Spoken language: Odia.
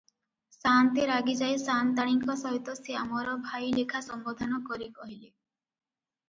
ସାଆନ୍ତେ ରାଗିଯାଇ ସାଆନ୍ତାଣୀଙ୍କ ସହିତ ଶ୍ୟାମର ଭାଇଲେଖା ସମ୍ବୋଧନ କରି କହିଲେ